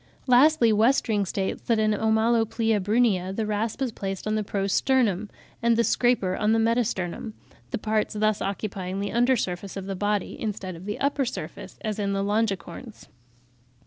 Lastly, Westring states that in Omaloplia brunnea the rasp is placed on the pro sternum, and the scraper on the meta sternum, the parts thus occupying the under surface of the body, instead of the upper surface as in the Longicorns.